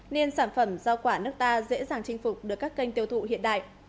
nên sản phẩm giao quả nước ta dễ dàng chinh phục được các kênh tiêu thụ hiện đại